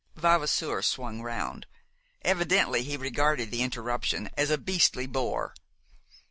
Vavasour swung round. Evidently he regarded the interruption as "a beastly bore."